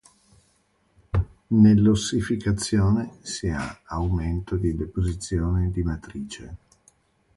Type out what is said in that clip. Nell'ossificazione si ha aumento di deposizione di matrice.